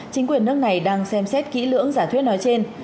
chính quyền nước này đang xem xét kỹ lưỡng giả thuyết nói trên